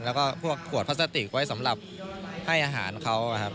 แล้วก็พวกขวดพลาสติกไว้สำหรับให้อาหารเขาครับ